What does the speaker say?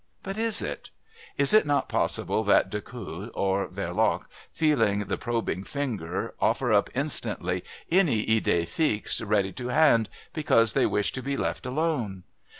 But is it? Is it not possible that Decoud or Verloc, feeling the probing finger, offer up instantly any idée fixe ready to hand because they wish to be left alone?